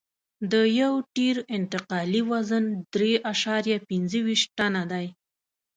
د یو ټیر انتقالي وزن درې اعشاریه پنځه ویشت ټنه دی